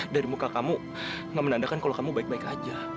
dari muka kamu menandakan kalau kamu baik baik aja